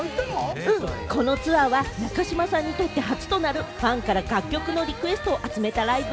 このツアーは中島さんにとって初となる、ファンから楽曲のリクエストを集めたライブ。